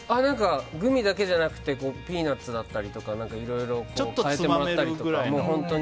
グミだけじゃなくてピーナツだったりとかいろいろ変えてもらったりとか。